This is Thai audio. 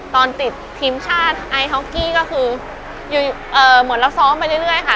ตอนติดทีมชาติไอฮอกกี้ก็คือเหมือนเราซ้อมไปเรื่อยค่ะ